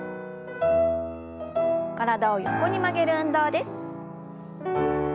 体を横に曲げる運動です。